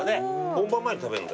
本番前に食べるの？